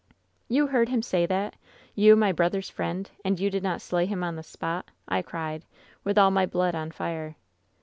"^ You heard him say that ? You, my brother's friend 1 And you did not slay him on the spot 1' I cried, with all my blood on fire.